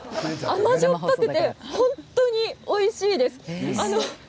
甘じょっぱくて本当においしいです。